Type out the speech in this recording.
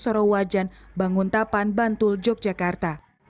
di kawasan bantul yogyakarta